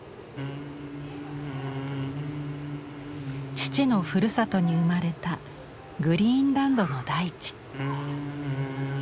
父のふるさとに生まれたグリーンランドの大地。